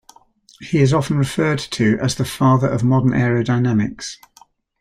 He is often referred to as the father of modern aerodynamics.